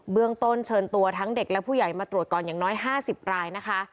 เรื่องต้นเชิญตัวทั้งเด็กและผู้ใหญ่มาตรวจก่อนอย่างน้อย๕๐รายนะคะ